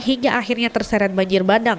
hingga akhirnya terseret banjir bandang